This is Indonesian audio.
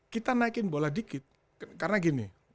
kita naikin bola dikit karena gini